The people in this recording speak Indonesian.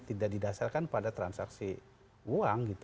tidak didasarkan pada transaksi uang